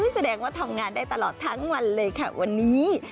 แสดงว่าทำงานได้ตลอดทั้งวันเลยค่ะวันนี้